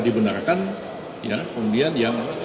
dibenarkan ya kemudian yang